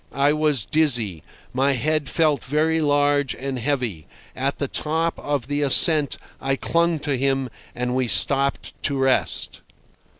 I was dizzy. My head felt very large and heavy. At the top of the ascent I clung to him, and we stopped to rest.